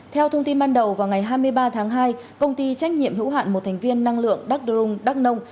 theo thông tin ban đầu vào ngày hai mươi ba tháng hai công ty trách nhiệm hữu hạn một thành viên năng lượng đắk đông đắk nông